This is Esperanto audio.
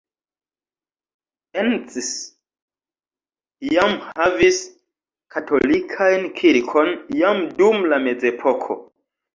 Encs jam havis katolikajn kirkon jam dum la mezepoko.